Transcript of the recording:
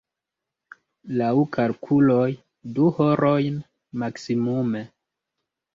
Laŭ kalkuloj, du horojn maksimume.